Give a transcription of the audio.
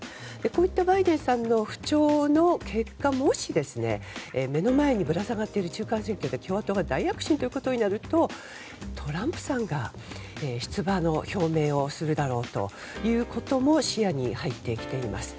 こういったバイデンさんの不調の結果もし目の前にぶら下がっている中間選挙で共和党が大躍進となるとトランプさんが出馬の表明をするだろうということも視野に入ってきています。